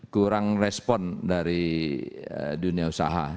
kurang respon dari dunia usaha